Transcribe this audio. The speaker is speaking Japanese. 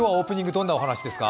どんなお話ですか。